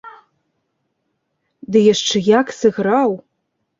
Ды яшчэ як сыграў!